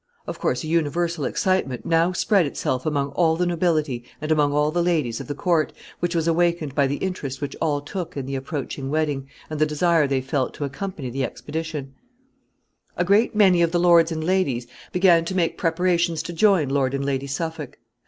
Of course a universal excitement now spread itself among all the nobility and among all the ladies of the court, which was awakened by the interest which all took in the approaching wedding, and the desire they felt to accompany the expedition. [Sidenote: Dresses.] [Sidenote: Company.] A great many of the lords and ladies began to make preparations to join Lord and Lady Suffolk.